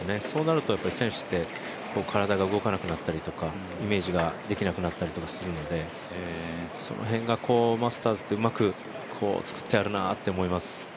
そうなると選手って、体が動かなくなったりとかイメージができなくなったりとかするのでその辺がマスターズってうまくつくってあるなと思います。